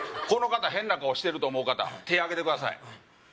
この方ヘンな顔してると思う方手挙げてください